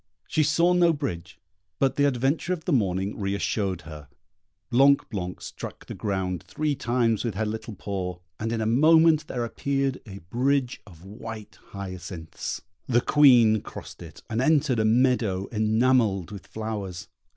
She saw no bridge, but the adventure of the morning re assured her. Blanc blanc struck the ground three times with her little paw, and in a moment there appeared a bridge of white hyacinths. The Queen crossed it, and entered a meadow enamelled with flowers.